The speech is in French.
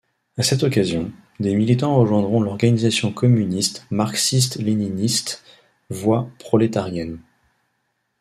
À cette occasion, des militants rejoindront l'Organisation communiste marxiste-léniniste – Voie prolétarienne.